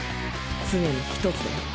常にひとつだよ。